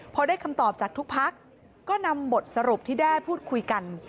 พอได้คำตอบจากทุกพักก็นำบทสรุปที่ได้พูดคุยกัน